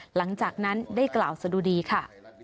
หลังจากนั้นได้กล่าวสะดุดีค่ะ